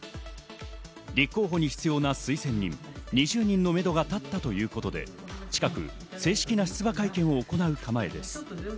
立候補に必要な推薦人、２０人のめどが立ったということで、近く正式な出馬会見を行う構えです。